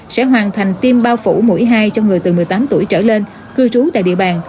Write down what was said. sẽ hoàn thành tiêm bao phủ mũi hai cho người từ một mươi tám tuổi trở lên cư trú tại địa bàn